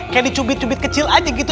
kayak dicubit cubit kecil aja gitu